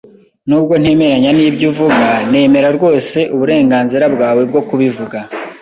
Nubwo ntemeranya nibyo uvuga, nemera rwose uburenganzira bwawe bwo kubivuga.